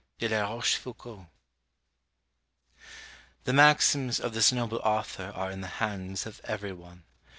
] DE LA ROCHEFOUCAULT. The maxims of this noble author are in the hands of every one.